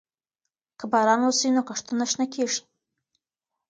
که باران وسي، نو کښتونه شنه کيږي.